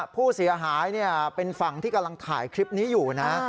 ผู้เสียหายเป็นฝั่งที่กำลังถ่ายคลิปนี้อยู่นะ